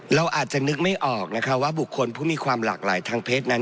เราอาจจะนึกไม่ออกนะคะว่าบุคคลผู้มีความหลากหลายทางเพศนั้น